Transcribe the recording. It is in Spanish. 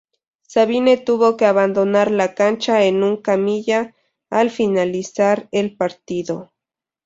Sabine tuvo que abandonar la cancha en un camilla al finalizar el partido.